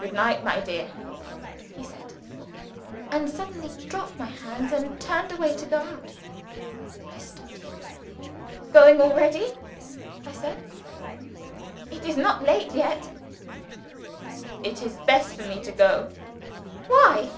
"Good night, my dear!" he said and suddenly dropped my hands, and turned away to go out. I stopped him. "Going already?" I said. "It is not late yet. "It is best for me to go." "Why?"